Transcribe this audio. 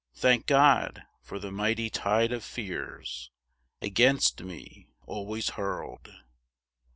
Thank God for the mighty tide of fears Against me always hurled!